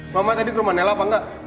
mama tadi ke rumah nailah apa enggak